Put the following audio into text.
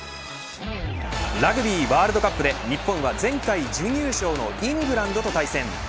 ラグビーワールドカップで日本は、前回準優勝のイングランドと対戦。